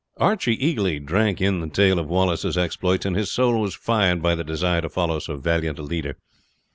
Archie eagerly drank in the tale of Wallace's exploits, and his soul was fired by the desire to follow so valiant a leader.